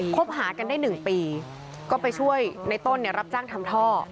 คบหากันได้๑ปีก็ไปช่วยในต้นรับจ้างทำท่อ